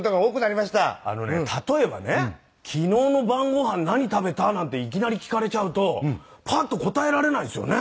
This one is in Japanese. あのね例えばね昨日の晩ご飯何食べた？なんていきなり聞かれちゃうとパッと答えられないですよね。